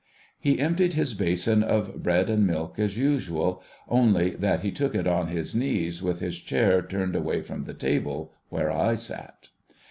He emptied his basin of bread and milk as usual, only that he took it on his knees with his chair turned away from the table where I sat.